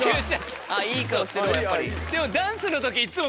いい顔してるわやっぱり。